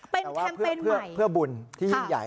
แต่ว่าเพื่อบุญที่ยิ่งใหญ่